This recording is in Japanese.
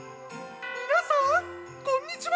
◆皆さん、こんにちは。